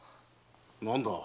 何だ。